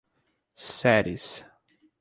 Ceres